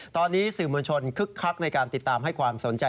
ตอนนี้สื่อมวลชนคึกคักในการติดตามให้ความสนใจ